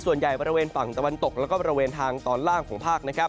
ส่วนใหญ่บริเวณฝั่งตะวันตกแล้วก็บริเวณทางตอนล่างของภาค